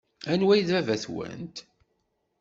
Anwa ay d baba-twent?